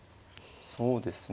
そうですね。